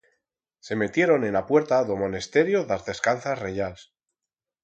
Se metioron en a puerta d'o monesterio d'as Descalzas Reyals.